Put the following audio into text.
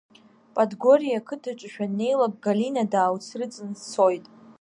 Падгорие ақыҭаҿы шәаннеилак, Галина даауцрыҵны дцоит.